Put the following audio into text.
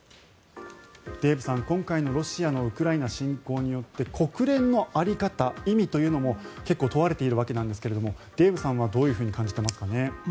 デーブさん、今回のロシアのウクライナ侵攻によって国連の在り方、意味というのも結構問われているわけですがデーブさんはどう感じていますか。